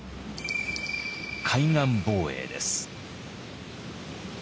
海岸防衛です。